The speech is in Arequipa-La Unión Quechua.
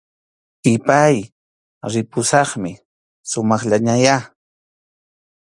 Ipay, ripusaqmi sumaqllañayá